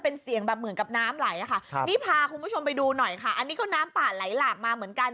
นี่พาคุณผู้ชมไปดูหน่อยอันนี้ก็น้ำป่าไหลหลักมาเหมือนกัน